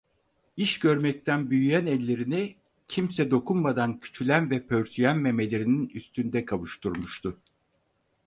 İş görmekten büyüyen ellerini, kimse dokunmadan küçülen ve pörsüyen memelerinin üstünde kavuşturmuştu.